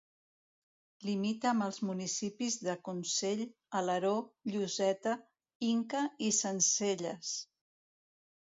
Limita amb els municipis de Consell, Alaró, Lloseta, Inca i Sencelles.